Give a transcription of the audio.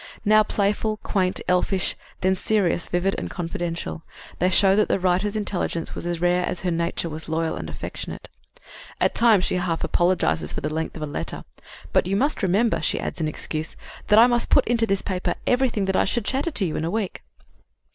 Now playful, quaint, elfish, then serious, vivid, confidential, they show that the writer's intelligence was as rare as her nature was loyal and affectionate. At times she half apologizes for the length of a letter, "but you must remember," she adds in excuse, "that I must put into this paper everything that I should chatter to you in a week."